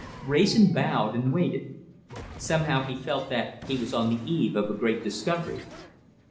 Wrayson bowed and waited. Somehow he felt that he was on the eve of a great discovery.